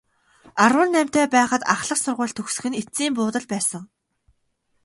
Арван наймтай байхад ахлах сургууль төгсөх нь эцсийн буудал байсан.